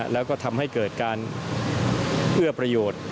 แล้วก็ทำให้เกิดการเอื้อประโยชน์